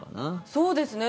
そうですね。